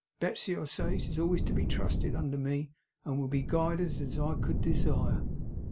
Betsey," I says, "is always to be trusted under me, and will be guided as I could desire."